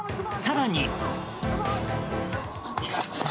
更に。